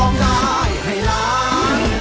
ช่าย